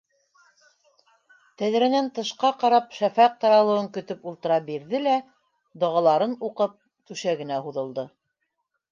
Тәҙрәнән тышҡа ҡарап шәфәҡ таралыуын көтөп ултыра бирҙе лә, доғаларын уҡып, түшәгенә һуҙылды.